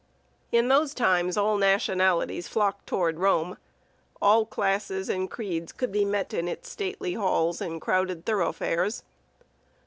In those times all nationalities flocked toward Rome; all classes and creeds could be met in its stately halls and crowded thoroughfares.